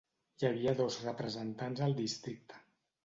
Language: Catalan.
Hi havia dos representants al districte.